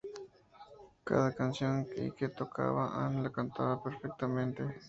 Cada canción que Ike tocaba, Ann la cantaba perfectamente.